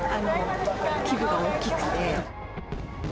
規模が大きくて。